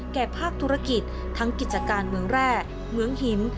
ภาคธุรกิจทั้งกิจการเมืองแร่เมืองหิน